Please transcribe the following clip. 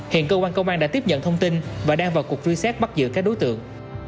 hiện cơ quan công an đã tiếp nhận thông tin và đang vào cuộc truy xét bắt giữ các đối tượng